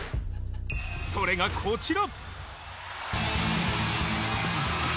それがこちら。